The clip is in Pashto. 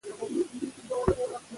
تخلص د ځان له صفاتو سره همږغي وټاکئ.